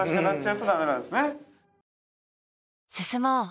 進もう。